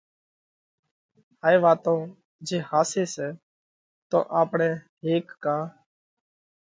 هائي وات جي ۿاسي سئہ تو آپڻئہ ھيڪ ڪا